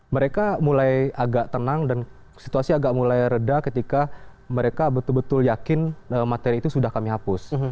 mereka mulai agak tenang dan situasi agak mulai reda ketika mereka betul betul yakin materi itu sudah kami hapus